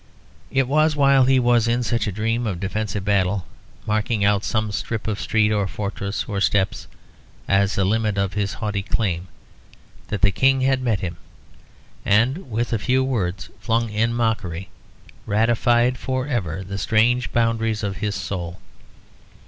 It was while he was in such a dream of defensive battle, marking out some strip of street or fortress of steps as the limit of his haughty claim, that the King had met him, and, with a few words flung in mockery, ratified for ever the strange boundaries of his soul.